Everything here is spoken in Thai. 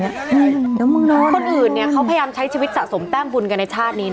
เดี๋ยวคนอื่นเนี่ยเขาพยายามใช้ชีวิตสะสมแต้มบุญกันในชาตินี้นะ